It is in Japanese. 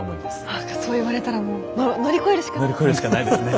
何かそう言われたらもう乗り越えるしかないですね。